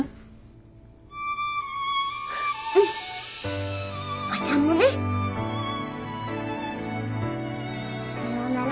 うんおばちゃんもね。さようなら。